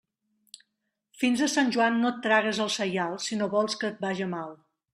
Fins a Sant Joan no et tragues el saial, si no vols que et vaja mal.